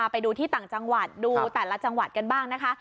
ไปดูที่ต่างจังหวัดดูแต่ละจังหวัดกันบ้างนะคะ